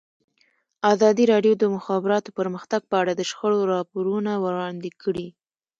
ازادي راډیو د د مخابراتو پرمختګ په اړه د شخړو راپورونه وړاندې کړي.